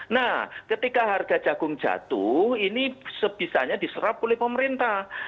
nah ketika harga jagung jatuh ini sebisanya diserap oleh pemerintah